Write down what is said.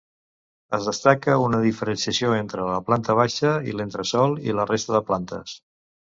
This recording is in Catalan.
Es destaca una diferenciació entre la planta baixa i l'entresòl i la resta de plantes.